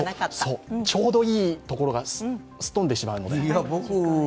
ちょうどいいところがすっ飛んでしまうのが。